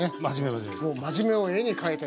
もう真面目を絵に描いたような。